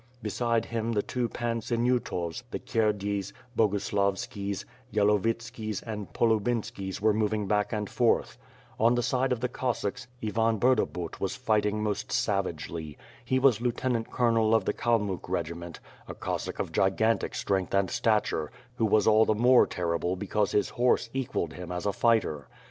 Be side him the two Pans Sinyutos, the Kierdeys, Boguslavskis, Yelovitskis, and Polubinskis were moving back and forth. On the side of the Cossacks, Ivan Burdabut was fighting most 342 ^i'^^ f^R^ ^^^ SWORD. savagely. He was lieutenant colonel of the Calmiick regi ment; a Cossack of gigantic strength and stature, who was all the more terrible because his horse equalled him as a fighter.